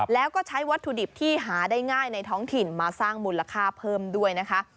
แล้วก็ใช้วัตถุดิบที่หาได้ง่ายในท้องถิ่นมาสร้างมูลค่าเพิ่มด้วยนะคะ